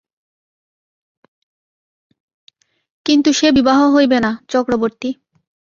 কিন্তু সে বিবাহ হইবে না— চক্রবর্তী।